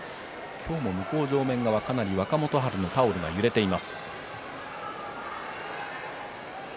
向正面にかなり若元春の応援のタオルが揺れています。